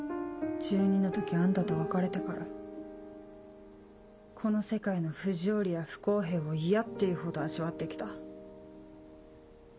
１２の時あんたと別れてからこの世界の不条理や不公平を嫌っていうほど味わって来た。